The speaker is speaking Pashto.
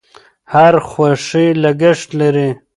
هر خوښي لګښت لري.